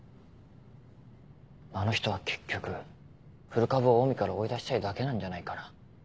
あの人は結局古株をオウミから追い出したいだけなんじゃないかな。